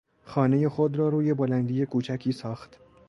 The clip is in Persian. خانهی خود را روی بلندی کوچکی ساخت.